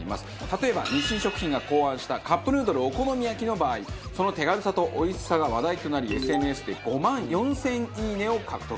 例えば日清食品が考案したカップヌードルお好み焼の場合その手軽さとおいしさが話題となりＳＮＳで５万４０００「いいね」を獲得。